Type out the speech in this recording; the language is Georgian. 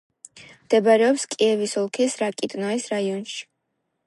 მდებარეობს კიევის ოლქის რაკიტნოეს რაიონში.